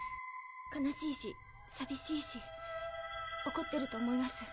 悲しいしさびしいしおこってると思います。